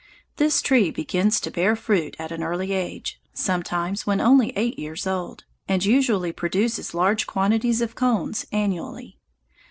This tree begins to bear fruit at an early age, sometimes when only eight years old, and usually produces large quantities of cones annually.